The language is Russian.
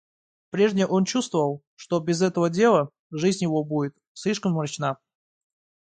Прежде он чувствовал, что без этого дела жизнь его будет слишком мрачна.